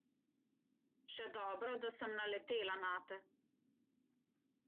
Še dobro, da sem naletela nate.